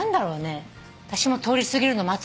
私も通り過ぎるの待つ派なのよ。